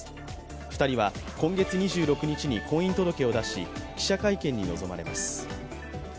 ２人は今月２６日に婚姻届を出し記者会見に臨まれます。